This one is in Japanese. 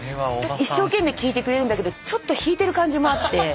一生懸命聞いてくれるんだけどちょっと引いてる感じもあって。